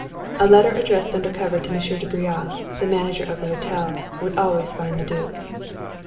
A letter addressed under cover to M. de Brea, the manager of the hotel, would always find the duke.